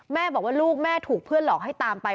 แม่บอกว่าลูกแม่ถูกเพื่อนหลอกให้ตามไป